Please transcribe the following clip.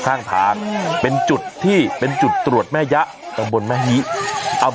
ข้างภาคอืมเป็นจุดที่เป็นจุดตรวจแม่ยะตำบนแม่ฮีอำ